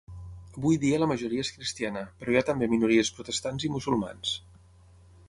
Avui dia la majoria és cristiana, però hi ha també minories protestants i musulmans.